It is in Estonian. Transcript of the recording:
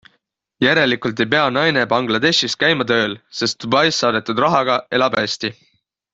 Järelikult ei pea naine Bangladeshis käima tööl, sest Dubaist saadetud rahaga elab hästi.